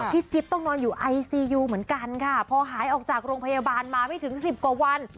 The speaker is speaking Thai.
จิ๊บต้องนอนอยู่ไอซียูเหมือนกันค่ะพอหายออกจากโรงพยาบาลมาไม่ถึงสิบกว่าวัน